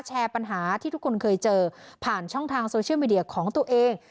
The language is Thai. ปัญหาที่ทุกคนเคยเจอผ่านช่องทางโซเชียลมีเดียของตัวเอง